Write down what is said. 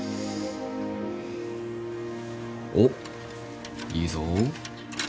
おっいいぞ。